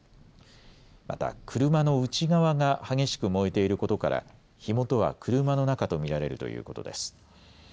また車の内側が激しく燃えていることから火元は車の中と見られるということです。